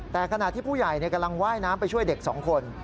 แต่ขณะที่ผู้ใหญ่กำลังว่ายน้ำไปช่วยเด็ก๒คน